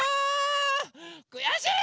くやしい！